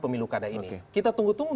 pemilu kada ini kita tunggu tunggu